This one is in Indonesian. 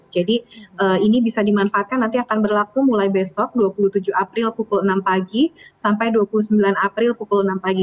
jadi ini bisa dimanfaatkan nanti akan berlaku mulai besok dua puluh tujuh april pukul enam pagi sampai dua puluh sembilan april pukul enam pagi